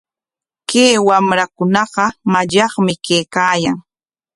Kay wamrakunaqa mallaqmi kaykaayan.